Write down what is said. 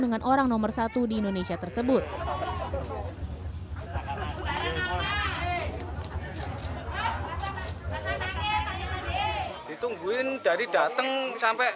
dengan orang nomor satu di indonesia tersebut ditungguin dari datang sampai